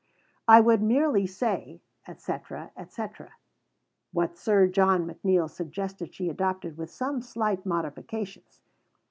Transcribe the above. I would merely say, etc. etc." What Sir John McNeill suggested she adopted with some slight modifications.